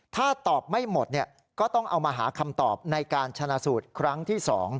ถ้าตอบไม่หมดก็ต้องเอามาหาคำตอบในการชนะสูตรครั้งที่๒